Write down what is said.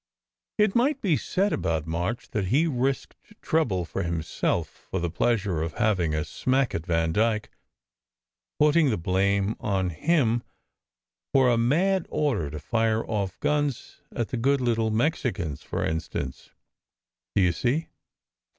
It might be said about March that he risked trouble for himself, for the pleasure of having a smack at Vandyke; putting the blame on him for a mad order to fire off guns at the good little Mexicans, for in stance, do you see?"